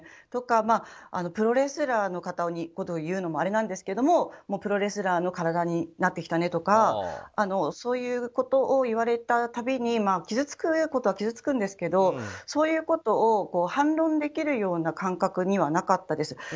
それとかプロレスラーの方のことを言うのはあれなんですけどプロレスラーの体になってきたねとかそういうことを言われる度に傷つくことは傷つくんですけどそういうことを反論できるような感覚にはなかったです。